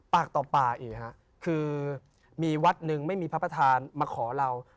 ปากต่อปากอีกฮะคือมีวัดหนึ่งไม่มีพระประธานมาขอเรา